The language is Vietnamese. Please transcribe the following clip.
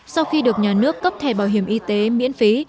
sau khi được nhà nước cấp thẻ bảo hiểm y tế miễn phí